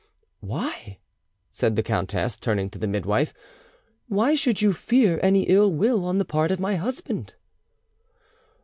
"Why?" said the countess, turning to the midwife,—"why should you fear any ill will on the part of my husband?"